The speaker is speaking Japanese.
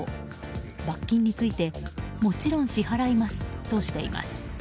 罰金についてもちろん支払いますとしています。